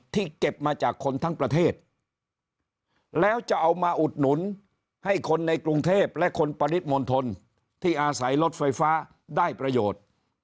เก็บมาจากคนทั้งประเทศแล้วจะเอามาอุดหนุนให้คนในกรุงเทพและคนปริมณฑลที่อาศัยรถไฟฟ้าได้ประโยชน์